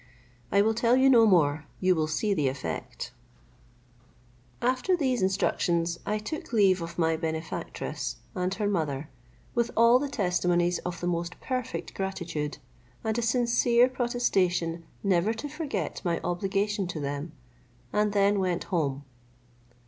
I will tell you no more; you will see the effect." After these instructions I took leave of my benefactress, and her mother, with all the testimonies of the most perfect gratitude, and a sincere protestation never to forget my obligation to them; and then went home.